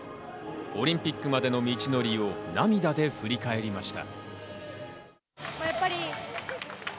オリンピックまでの道のりを涙で振り返りました。